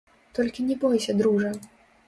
Толькі не бойся, дружа.